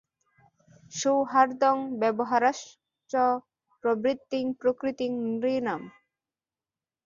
সৌহার্দ্যং ব্যবহারাংশ্চ প্রবৃত্তিং প্রকৃতিং নৃণাম্।